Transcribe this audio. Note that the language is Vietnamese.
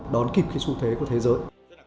đón kịp cái xu thế của thế giới